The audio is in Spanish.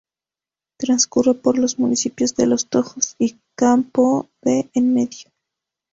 Transcurre por los municipios de Los Tojos y Campoo de Enmedio.